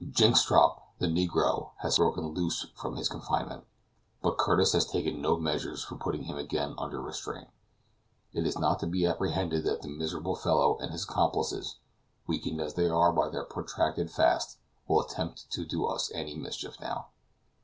Jynxstrop, the negro, has broken loose from his confinement, but Curtis has taken no measures for putting him again under restraint. It is not to be apprehended that the miserable fellow and his accomplices, weakened as they are by their protracted fast, will attempt to do us any mischief now.